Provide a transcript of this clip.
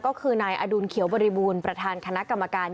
ก็คือนายอดุลเขียวบริบูรณ์ประธานคณะกรรมการ